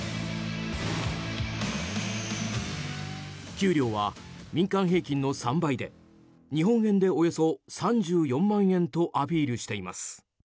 給料は民間平均の３倍で日本円でおよそ３４万円とアピールしています。